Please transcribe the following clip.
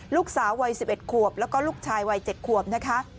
ลูกสาววัย๑๑ขวบแล้วก็ลูกชายวัย๗ขวบนะคะ